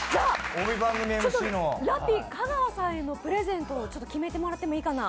ラッピー、香川さんへのプレゼント決めてもらっていいかな？